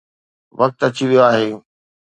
وقت اچي ويو آهي.